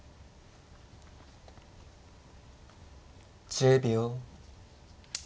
１０秒。